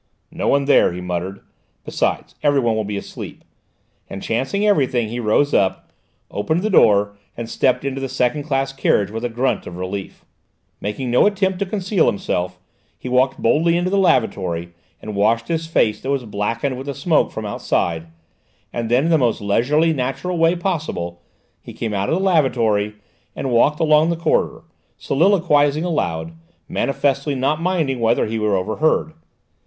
"No one there," he muttered. "Besides, everyone will be asleep," and, chancing everything, he rose up, opened the door, and stepped into the second class carriage with a grunt of relief. Making no attempt to conceal himself, he walked boldly into the lavatory and washed his face that was blackened with the smoke from outside, and then, in the most leisurely, natural way possible, he came out of the lavatory and walked along the corridor, soliloquising aloud, manifestly not minding whether he were overheard.